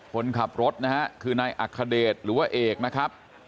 คนขับรถนะฮะคือนายอัคเดชหรือว่าเอกนะครับ